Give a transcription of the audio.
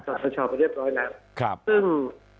ต่อประชาไปเรียบร้อยแล้วซึ่ง